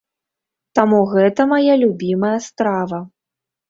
Таму гэта мая любімае страва.